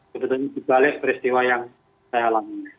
sebetulnya dibalik peristiwa yang saya alami